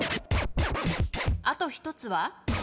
あと１つは？